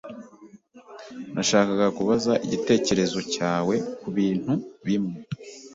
Nashakaga kubaza igitekerezo cyawe kubintu bimwe.